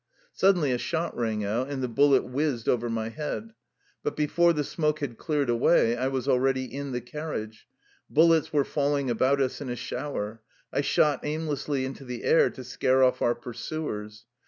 Suddenly a shot rang out, and the bullet whizzed over my head. But be fore the smoke had cleared away I was already in the carriage. Bullets were falling about us in a shower. I shot aimlessly into the air, to scare off our pursuers.